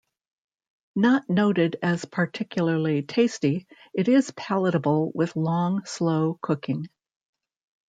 Not noted as particularly tasty, it is palatable with long, slow cooking.